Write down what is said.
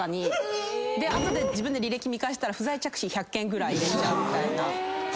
後で自分で履歴見返したら不在着信１００件ぐらいみたいな。